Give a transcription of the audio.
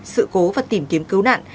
sự cố và tìm kiếm cứu nạn